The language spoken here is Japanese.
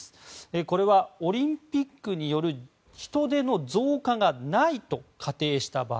これはオリンピックによる人出の増加がないと仮定した場合。